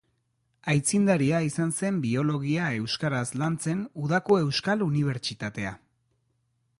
Aitzindaria izan zen biologia euskaraz lantzen Udako Euskal Unibertsitatea.